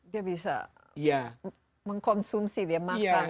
dia bisa mengkonsumsi dia makan